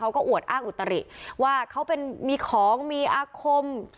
อวดอ้างอุตริว่าเขาเป็นมีของมีอาคม